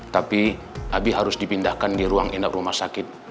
tapi abi harus dipindahkan di ruang inap rumah sakit